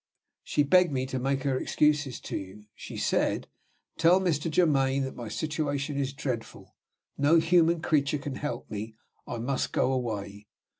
"She begged me to make her excuses to you. She said, 'Tell Mr. Germaine that my situation is dreadful; no human creature can help me. I must go away.